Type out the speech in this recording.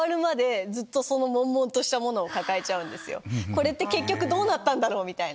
これって結局どうなったんだろう？みたいな。